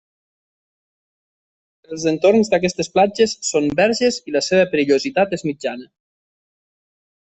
Els entorns d'aquestes platges són verges i la seva perillositat és mitjana.